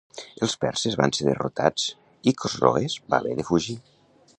Els perses van ser derrotats i Cosroes va haver de fugir.